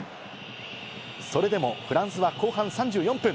それでもフランスは後半３４分。